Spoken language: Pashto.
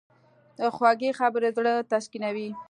خوږې خبرې زړه تسکینوي.